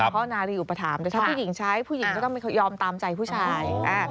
พ่อนารีอุปถัมภ์แต่ถ้าผู้หญิงใช้ผู้หญิงก็ต้องยอมตามใจผู้ชาย